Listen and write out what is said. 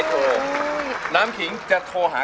อย่าหยุดไว้